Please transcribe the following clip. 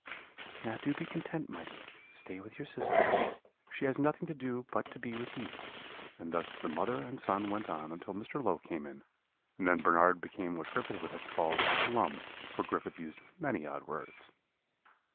"'Now do be content, my dear stay with your sister she has nothing to do but to be with you;' and thus the mother and son went on until Mr. Low came in, and then Bernard became what Griffith would have called glum, for Griffith used many odd words.